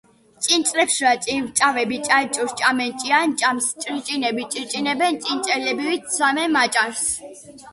ჭინჭრებშუა ჭივჭავები ჭანჭურს ჭამენ, ჭიანაჭამს ჭრიჭინები ჭრიჭინებენ ჭინჭილებით სვამენ მაჭარს